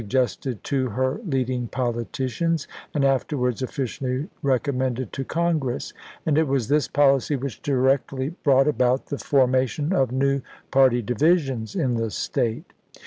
gested to her leading politicians, and afterwards officially recommended to Congi^ess ; and it was this policy which directly brought about the for mation of new party divisions in the State.